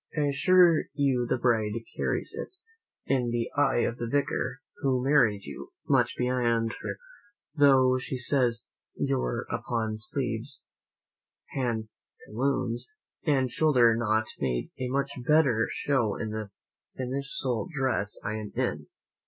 I assure you the bride carries it, in the eye of the vicar who married you, much beyond her mother though he says your open sleeves, pantaloons, and shoulder knot made a much better show than the finical dress I am in.